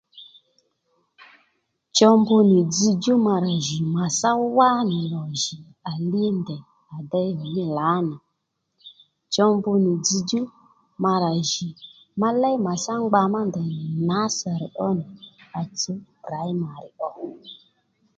Cho mbu nì dzzdjú ma rà jì màtsá wánì lò jì li ndèy à bbíy ddí lǎnà cho mbu nì dzzdjú ma rà jì ma léy màtsá ngba má ndèy nì nǎsàri ónì à tsǔw primary ò